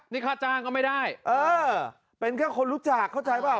นี่ค่าจ้างก็ไม่ได้เออเป็นแค่คนรู้จักเข้าใจเปล่า